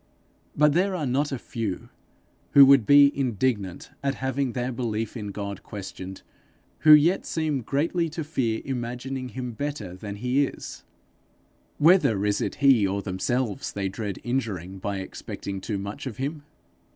But there are not a few, who would be indignant at having their belief in God questioned, who yet seem greatly to fear imagining him better than he is: whether is it he or themselves they dread injuring by expecting too much of him?